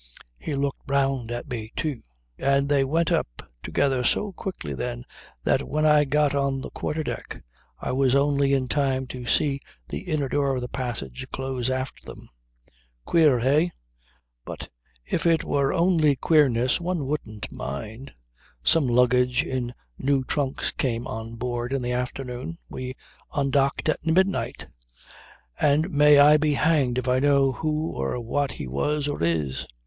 He looked round at me too, and they went up together so quickly then that when I got on the quarter deck I was only in time to see the inner door of the passage close after them. Queer eh? But if it were only queerness one wouldn't mind. Some luggage in new trunks came on board in the afternoon. We undocked at midnight. And may I be hanged if I know who or what he was or is.